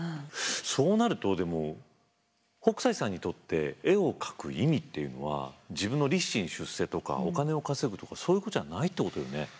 そうなるとでも北斎さんにとって絵を描く意味っていうのは自分の立身出世とかお金を稼ぐとかそういうことじゃないってことよね。